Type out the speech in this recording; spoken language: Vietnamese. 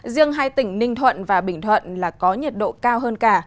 riêng hai tỉnh ninh thuận và bình thuận là có nhiệt độ cao hơn cả